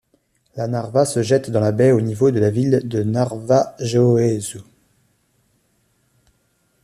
La Narva se jette dans la baie au niveau de la ville de Narva-Jõesuu.